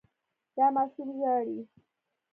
دا ماشوم ژاړي.